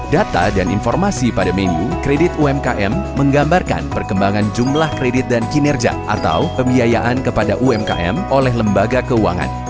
data dan informasi pada menu kredit umkm menggambarkan perkembangan jumlah kredit dan kinerja atau pembiayaan kepada umkm oleh lembaga keuangan